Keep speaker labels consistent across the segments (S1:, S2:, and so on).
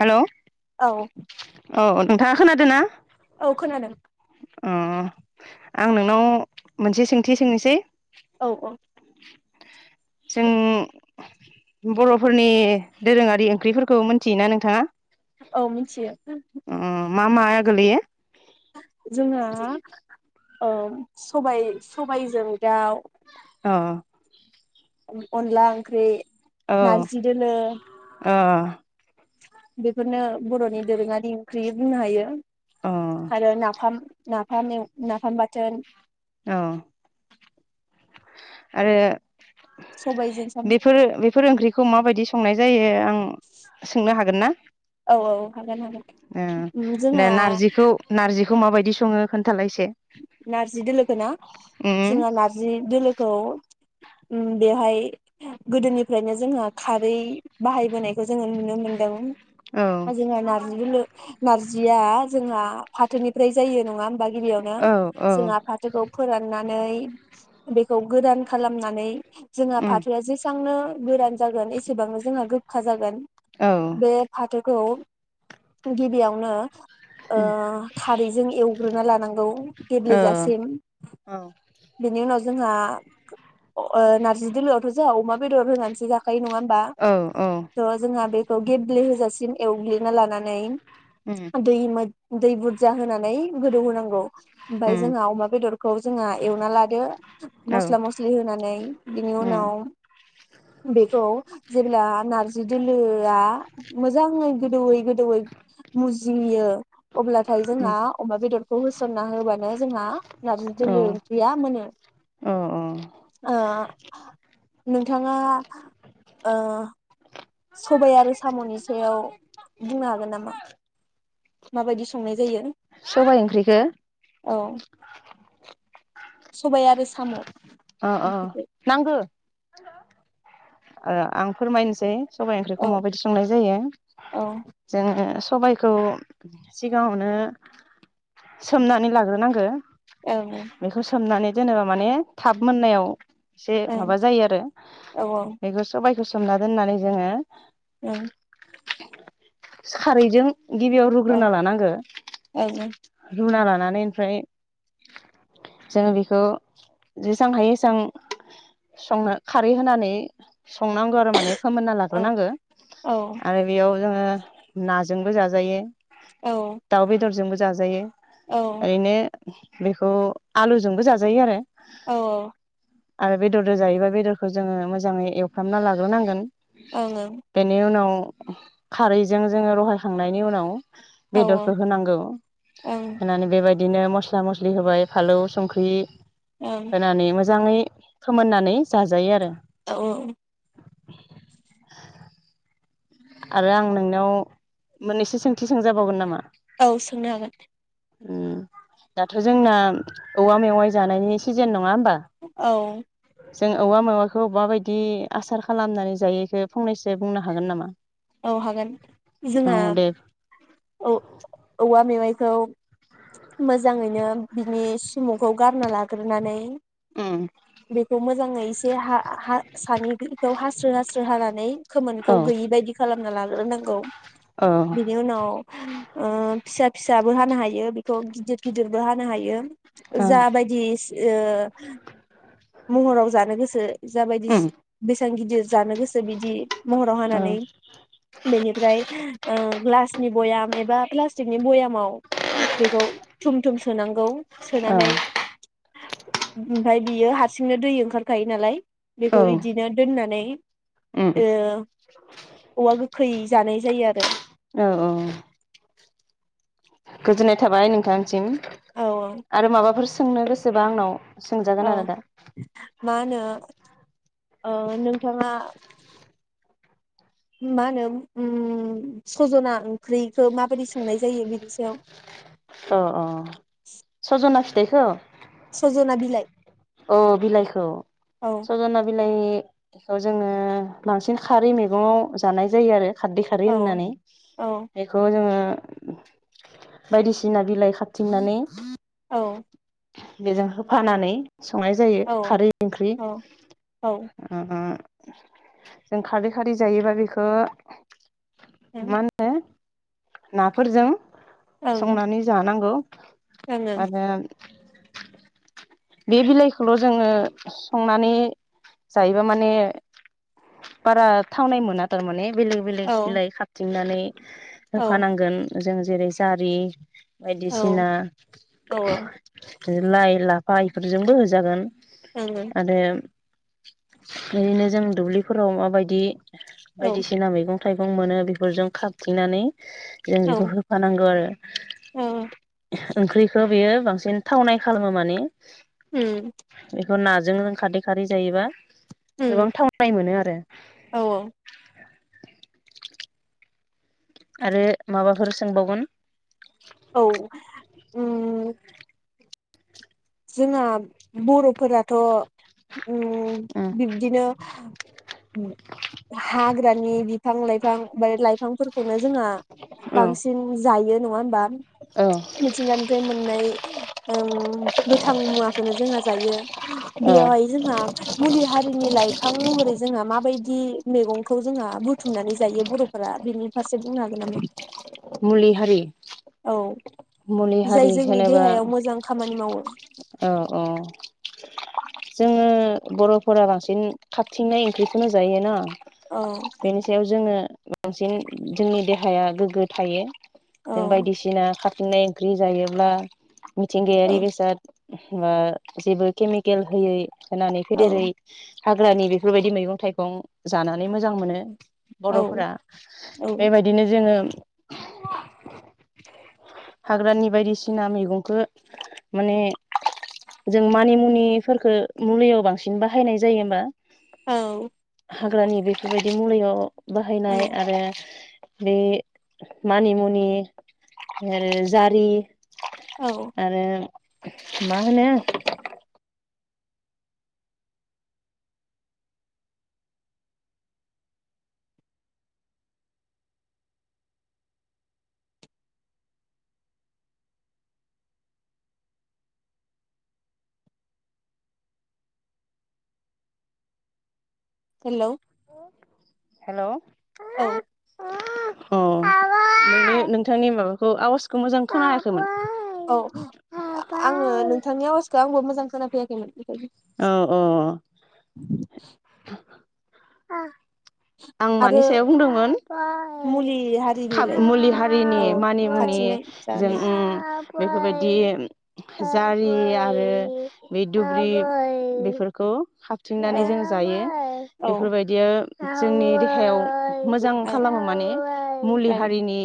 S1: Hello
S2: औ
S1: औ नोंथाङा खोनादों ना?
S2: औ खोनादों।
S1: ओङो आंनोंनाव मोनसे सोंथि सोंनोसै
S2: औ औ
S1: जों
S2: औ
S1: बर'फोरनि दोरोङारि ओंख्रिफोरखौ मोनथियोना नोंथाङा
S2: औ मिथियो
S1: ओ मा मा गोलैयो
S2: जोंहा सबाय सबायजों दाउ
S1: अ
S2: अनला ओंख्रि नारजि दोलो
S1: औ
S2: बेफोरनो बर'नि दोरोङारि ओंख्रि बुंनो हायो
S1: अ
S2: आरो नाफाम न नाफाम नाफाम बाथोन
S1: औ आरो
S2: सबायजों साम'
S1: बेफोर बेफोर ओंख्रिखौ माबायदि संनाय जायो आं सोंनो हागोन ना
S2: औ औ हागोन हागोन उम
S1: दा
S2: जोंहा
S1: नारजिखौ नारजिखौ माबायदि बिदि सङो खोन्थालाय एसे
S2: नारजि दोलोखौ ना जो
S1: उम
S2: नारजि दोलोखौ बेवहाय गोदोनिफ्रायनो जोहा खारै बाहायबोनायखौ जोङो नुनो मोनदों
S1: औ
S2: नारजि दोलो नारजिया जोंहा फाथोनिफ्राय जायो नङा होनबा गिबि
S1: औ औ
S2: जों फाथोखौ फोराननानै बेखौ गोदान खालामनानै जोंहा
S1: उम
S2: फाथोआ जेसांनो गोरान जागोन एसेबां जोंहा गोखा जागोन
S1: औ
S2: बे फाथोखौ गिबियावनो
S1: उम
S2: खारैजों एवग्रोना लानांगौ गेब्ले
S1: औ
S2: जासिम
S1: औ
S2: बेनि उनाव जों नारजि दोलोथ' जों अमा बेदर होनानैसो जाखायो नङा होमबा
S1: औ औ
S2: थ' जोंहा बे बे खौ गेब्लेहोजासिम एवग्लिना लानानै
S1: उम
S2: दै दै बुरजा होनानै गोदौ होनांगौ। ओमफाय
S1: उम
S2: जोंहा अमा बेदरखौ जोंहा एवना लादो
S1: औ
S2: मस्ला मस्लि होनानै बिनि
S1: उम
S2: उनाव बेखौ जेब्ला नार्जि दोलोआ मोजाङै गोदौवै गोदौवै मुजियो अब्लाथाय
S1: उम
S2: जोंहा अमा बेदरखौ होसन ना होबानो जोंहा नार्जि
S1: औ
S2: दोलो ओंख्रिया मोनो।
S1: औ औ।
S2: ओ नोंथाङा ओ सबाय आरो साम'नि सायाव बुंनो हागोन नामा? माबायदि संनाय जायो?
S1: सबाय ओंख्रिखो
S2: औ सबाय आरो साम'
S1: अ अ
S2: ओंख्रिखौ
S1: नांगो। [inaudible] ओ आं फोरमायनोसै। सबाय ओंख्रिखौ
S2: औ
S1: माबायदि संनाय जायो।
S2: औ
S1: जोङो सबायखौ सिगाङावनो सोमनानै लाग्रोनांगो।
S2: सोंनो
S1: बेखौ सोमनानै जेनेबा माने थाब मोननायाव एसे माबा जायो
S2: हागोन
S1: आरो सबायखौ सोमना दोननानै जोङो
S2: औ।
S1: खारैजों गिबियाव रुग्रोना लानांगो।
S2: औ
S1: रुना लानानै ओमफ्राय जोङो बेखौ जेसां हायो एसां संनो खारै होनानै संनांगौ आरो माने फोमोनना लाग्रोनांगो। आरो बेयाव जोङो नाजोंबो जाजायो। दाव बेदर जोंबो जाजायो। ओरैनो बेखौ आलुजोंबो जाजायो आरो। आरो बेदरजों जायोबा बेदरखौ जोङो मोजाङै एव फ्रामना लाग्रोनांगोन। बेनि उनाव खारैजों जोङो रहायखांनायनि उनाव बेदरखौ होनांगौ। होनानै बेबाय बिदिनो मस्ला मस्लि होबाय फालौ संख्रि होनानै मोज मोजाङै फोमोननानै जाजायो आरो।
S2: औ औ
S1: [inaudible] आरो आं नोंनाव मोननैसो सोंथि सोंजाबावगोन नामा?
S2: औ सोंनो हागोन।
S1: ओम दाथ' जोंना औवा मेवाइ जानायनि सिजेन नङा होमबा
S2: औ
S1: जों औवा मेवाइखौ माबायदि आसार खालामनानै जायो बेखौ फंनैसो बुंनो हागोन नामा?
S2: औ हागोन जोंहा
S1: औ दे
S2: औ औवा मेवाइ खौ मोजाङैनो बिनि सुमुखौ गारना ला ग्रोनानै
S1: औ
S2: बेखौ मोजाङै एसे हा हासानिखौ हास्रो हास्रो हानानै खोमोनखौ
S1: औ
S2: गैयि बायदि खालामना लाग्रोनांगौ
S1: औ
S2: बिनि उनाव ओ फिसा फिसाबो हानो हायो, बेखौ गिदिर गिदिरबो हानो हायो।
S1: औ
S2: जा बायदि ओ महराव जानो गोसो जाबायदि
S1: औ
S2: बेसेबां गिदिर जानो गोसो बिदि महराव हानानै बेनिफ्राय ओ ग्लासनि बयाम एबा प्लास्टिकनि बयामाव बेखौ थुम थुम सोनांगौ। सोनानै ओमफ्राय बियो हा रसिंनो दै ओंखारखायो नालाय बेखौ
S1: औ
S2: बिदिनो दोननानै ओ
S1: औ
S2: औवा गो खै जानाय जायो आरो।
S1: औ औ गोजोननाय थाबाय नोंथांसिम।
S2: औ
S1: आरो माबाफोर सोंनो गोसोबा आंनाव सोंजागोन
S2: औ
S1: आरो दा
S2: मा होनो ओ नोंथाङा मा होनो ओम सजना ओंख्रिखो माबायदि संनाय जायो बिनि सायाव
S1: अ अ सजना फि थाइखौ
S2: सज'ना बिलाइ
S1: औ बिलाइखौ
S2: औ
S1: सजना बि लाइखौ जोङो बांसिन खारै मैगङाव जानाय जायो आरो खारदै खारै
S2: औ
S1: होननानै
S2: औ
S1: बेखौ जोङो बायदिसिना बिलाइ खादथिंनानै
S2: औ
S1: बेजों होफानानै संनाय जायो
S2: औ
S1: खारै ओंख्रि
S2: औ औ
S1: ओ ओ जों खारदै खारै जायोबा बेखो मा होननो नाफोरजों संनानै जानांगौ आरो बे बिलाइखौल' जोङो संनानै जायोबा माने बारा थावनाय मोना तारमाने बेलेग बेलेग
S2: ओं
S1: बिलाइ खादथिंनानै
S2: ओं ओं
S1: होफानांगोन जों जेरै जारि
S2: ओं
S1: बायदिसिना
S2: औ
S1: लाइ लाफ फा इफोरजोंबो होजागोन
S2: औ
S1: आरो ओरैनो जों दुब्लिफोराव माबायदि बायदिसिना मैगं थाइगं मोनो बेफोरजों खाबथिंनानै जों
S2: औ
S1: बेखौ
S2: ओं
S1: होफानांगौ आरो
S2: ओं औ
S1: ओंख्रिखो बेयो बां सिन थावनाय खालामो माने
S2: उम
S1: ओ नाजों खारदै खारै जायोबा गोबां
S2: उम
S1: थावनाय मोनो आरो
S2: औ
S1: आरो माबाफोर सोंबावगोन
S2: औ जोंहा बर'फोराथ' ओम
S1: उम
S2: बिब्दिनो हाग्रानि बिफां लाइफां बे लाइफांफोरखौनो जोंहा
S1: औ
S2: बांसिन जायो नङा होमबा
S1: औ
S2: मिथिंगानिफ्राय मोननाय गोथां मुवाखौनो जोंहा जायो।
S1: औ
S2: बेयावहाय जोंहा मुलि हारिनि लाइफां महरै जोंहा म माबायदि मैगंखौ जोंहा बुथुमनानै जायो बर'फोरा बेनि फारसे बुंनो हागोन नामा?
S1: मुलि हारि
S2: औ
S1: मुलि
S2: जाय
S1: हारि
S2: जोंनि
S1: होनोबा
S2: देहायाव मोजां खामानि मावो
S1: औ औ जोंङो बर'फोरा बांसिन खाथिंनाय ओंख्रिखौनो जायोना।
S2: औ
S1: बेनि सायाव जोंङो बांसिन जोंनि देहाया गोग्गो थायो
S2: औ
S1: जों बायदिसिना खा थिंनाय ओंख्रि जायोब्ला
S2: औ
S1: मिथिंगायारि बेसाद बा जेबो केमिकेल होयै होनानै
S2: औ
S1: फैदेरै हाग्रानि बेफोरबायदि मैगं थाइगं जानानै मोजां मोनो।
S2: औ
S1: बर'फोरा
S2: औ
S1: बेबायदिनो जोंङो हाग्रानि बायदिसिना मैगंखौ माने जों मानिमुनिफोरखो मुलियाव बांसिन बाहायनाय जायो होमबा
S2: औ
S1: हाग्रानि बेफोरबायदि मुलियाव
S2: औ
S1: बाहायनाय आरो बे मानिमुनि आरो जारि
S2: औ
S1: आरो मा होनो
S2: हेलौ
S1: हेलौ
S2: औ
S1: अ नोंनि नोंथांनि माबाखौ आवाजखौ मोजां खोनायाखैमोन
S2: औ आंङो नोंथांनि आवाजखौ आंबो मोजां खोना फैयाखै [inaudible]
S1: औ औ आं मानि
S2: आरो
S1: सायाव बुंदोंमोन
S2: मुलि हारिनिलाय
S1: मुलि हारिनि
S2: औ
S1: मानि मुनि
S2: खाथिनाय
S1: जों
S2: जानाय
S1: बेफोरबायदि जारि आरो बे दुब्लि बेफोरखौ हाबथिंनानै
S2: औ
S1: जों जायो
S2: औ ओं
S1: बेफोरबायदिया जोंनि देहायाव मोजां खालामो माने मुलि
S2: ओं
S1: हारिनि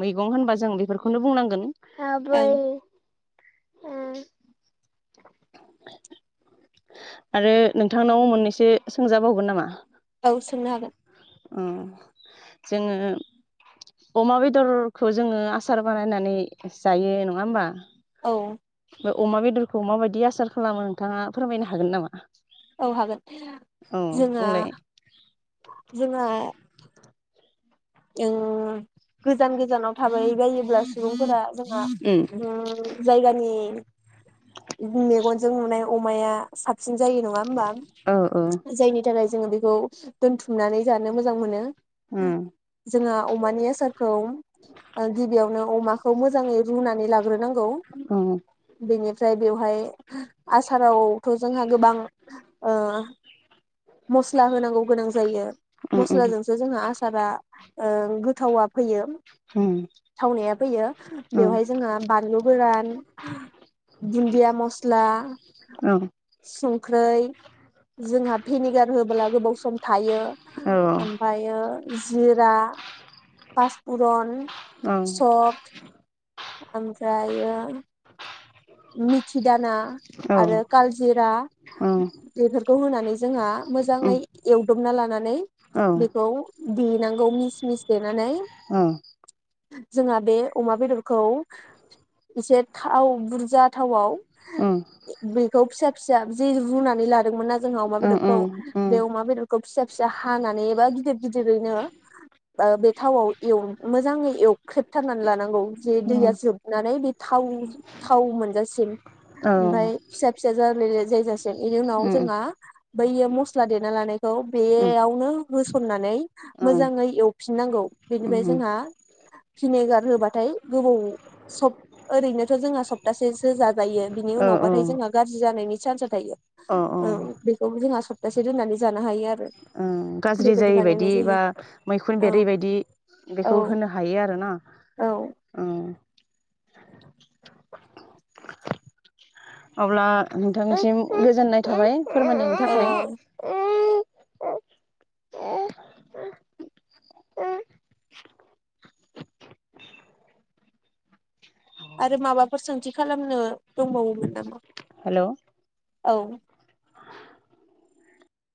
S1: मैगं होनबा जों बेफोरखौनो बुंनांगोन
S2: ओं
S1: [unintelligible] [unintelligible] आरो नोंथांनाव मोननैसो सोंजाबावगोन नामा।
S2: औ सोंनो हागोन।
S1: जोंङो अमा बेदरखौ जोंङो आसार बानायनानै जायो नंङा होमबा।
S2: औ।
S1: अमा बेदरखौ माबायदि आसार खालामो नोंथाङा। फोरमायनो हागोन नामा।
S2: औ हागोन
S1: औ
S2: जोंहा।
S1: बुंलाय
S2: जोंङो। [inaudible] ओ। गोजान गोजानाव थाबाय जायोब्ला सुबुंफोरा जोंहा
S1: उम
S2: जायगानि मेगनजों नुनाय। अमाया। साबसिन जायो नंङा होमबा
S1: औ औ
S2: जायनि थाखाय। जोंङो बेखौ दोनथुमनानै जानो मोजां मोनो।
S1: उम।
S2: जोंहा अमानि आसारखौ गिबियावनो अमाखौ मोजांङै रुनानै लाग्रोनांगौ
S1: उम
S2: बेनि। ओमफ्राय बेवहाय आसाराव। जोंहा गोबां मस्ला होनांगौ गोनां जायो
S1: उम
S2: मस्लाजोंसो जोंहा आसारा। ओ गोथावा फैयो।
S1: उम
S2: थावनाया फैयो
S1: औ
S2: बेवहाय जोंहा बानलु गोरान दुन्दिया मस्ला
S1: औ
S2: संख्रि जोंहा भिनिगार होब्ला गोबाव सम थायो
S1: औ
S2: ओमफ्रायो। दा। पासफुरन
S1: औ उम
S2: सट। आमफ्रायो जायो। मिथि दाना
S1: औ
S2: आरो काल जिरा
S1: उम
S2: बेफोरखौ होनानै जोंहा मोजांङै
S1: उम
S2: एवदबना लानानै बेखौ। देनांगौ मिस मिस देनानै।
S1: औ।
S2: जोंहा बे अमा बेदरखौ एसे थाव बुरजा। बुरजा थावाव। बेखौ फिसा। फिसा जेरै रुनानै लादोंमोन ना। जोंहा अमा बेदरखौ
S1: उम
S2: बे
S1: उम
S2: अमा बेदरखौ फिसा फिसा हानानै एबा गिदिर गिदिरैनो बे थावआव एवना मोजांङै एवनानै। एवख्रेबथानानै लानांगौ। जे दैया
S1: औ
S2: जोबनानै बे। थाव। थाव मोनजासिम। ओमफ्राय फिसा फिसा जाबाथाय। जायगा बेनि उनाव जोंहा बैयो मस्ला देना लानायखौ बेयावनो होसननानै मोजाङै एवफिननांगौ बेनिफ्राय जोंहा भिनेगार होबाथाय गोबाव सब ओरैनोथ जोंहा सब तासेसो जा- जायो बिनि
S1: औ
S2: उनावबाथाय जोंहा गाज्रि जानायनि चान्सा थायो औ बेखौबो जोंहा सप्तासे दोननानै जानो हायो आरो
S1: ओं गाज्रि
S2: बेबायदि
S1: जायै बायदि
S2: बानायनाय
S1: बा
S2: जायो
S1: मैखुन
S2: औ
S1: बेरै बायदि
S2: औ
S1: बेखौ होनो हायो आरोना
S2: औ
S1: [unintelligible] अब्ला नोंथांनिसिम गोजोननाय थाबाय
S2: औ औ
S1: [unintelligible] [unintelligible]
S2: आरो माबाफोर सोंथि खालामनो दंबावोमोन नामा
S1: हेलौ
S2: औ